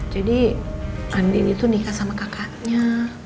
jadi andin itu nikah sama kakaknya